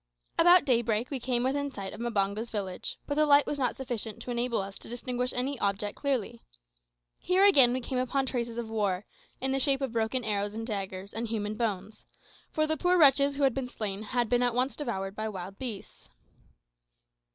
About daybreak we came within sight of Mbango's village, but the light was not sufficient to enable us to distinguish any object clearly. Here again we came upon traces of war, in the shape of broken arrows and daggers, and human bones; for the poor wretches who had been slain had been at once devoured by wild beasts.